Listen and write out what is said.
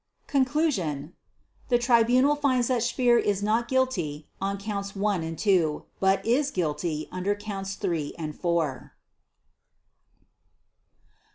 Conclusion The Tribunal finds that Speer is not guilty on Counts One and Two, but is guilty under Counts Three and Four.